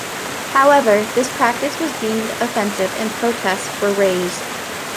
However, this practice was deemed offensive and protests were raised.